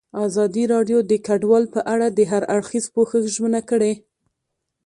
ازادي راډیو د کډوال په اړه د هر اړخیز پوښښ ژمنه کړې.